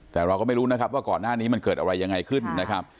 แต่เราก็ไม่รู้นะครับว่าก่อนหน้านี้มันเกิดอะไรยังไงขึ้นนะครับ